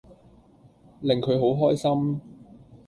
令佢好開心